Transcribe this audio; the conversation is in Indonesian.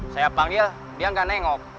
saya panggil dia nggak nengok